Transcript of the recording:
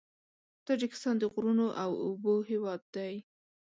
تاجکستان د غرونو او اوبو هېواد دی.